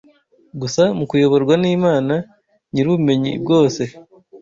gusa mu kuyoborwa n’Imana Nyirubumenyi bwose.